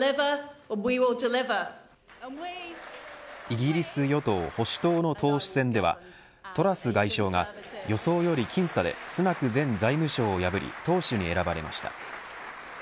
イギリス与党・保守党の党首選ではトラス外相が予想より僅差でスナク前財務相を破り党首に選ばれました。